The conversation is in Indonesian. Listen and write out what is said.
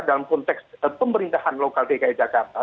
dalam konteks pemerintahan lokal dki jakarta